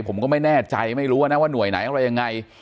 ผมก็ไม่แน่ใจไม่รู้นะว่าหน่วยไหนอะไรยังไง